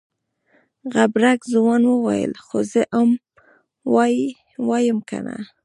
غبرګ ځوان وويل خو زه ام وايم کنه.